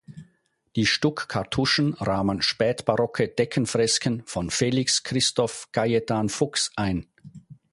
Die Stuck-Kartuschen rahmen spätbarocke Deckenfresken von Felix Christoph Cajetan Fuchs ein.